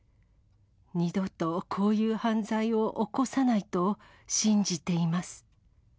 二度とこういう犯罪を起こさないと信じています。